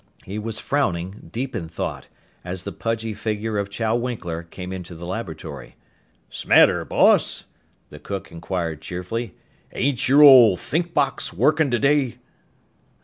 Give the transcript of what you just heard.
He was frowning, deep in thought, as the pudgy figure of Chow Winkler came into the laboratory. "'Smatter, boss?" the cook inquired cheerfully. "Ain't your ole think box workin' today?"